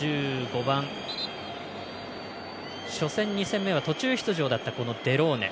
１５番初戦、２戦目は途中出場だったデローネ。